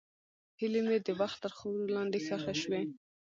هیلې مې د وخت تر خاورو لاندې ښخې شوې.